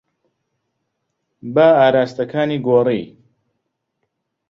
با ئاراستەکانی گۆڕی.